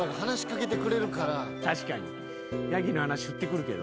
確かにヤギの話振ってくるけど。